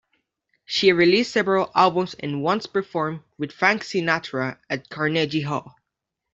She released several albums and once performed with Frank Sinatra at Carnegie Hall.